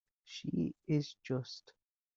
She is just.